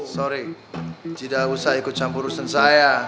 sorry tidak usah ikut campur urusan saya